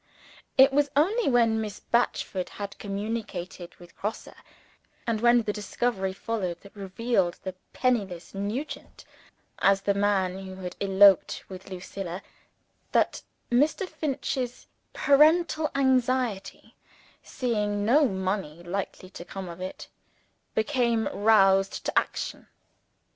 It was only when Miss Batchford had communicated with Grosse, and when the discovery followed which revealed the penniless Nugent as the man who had eloped with Lucilla, that Mr. Finch's parental anxiety (seeing no money likely to come of it) became roused to action.